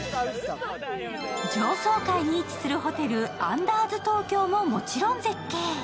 上層階に位置するホテル、アンダーズ東京ももちろん絶景。